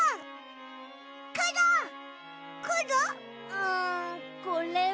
うんこれは。